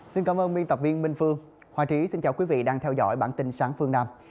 xin cảm ơn biên tập viên minh phương hòa trí xin chào quý vị đang theo dõi bản tin sáng phương nam